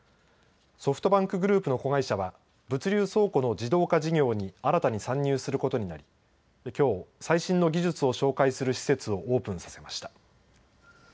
ソフトバンクグループの子会社は物流倉庫の自動化事業に新たに参入することになりきょう最新の技術を紹介する施設をオープンさせました。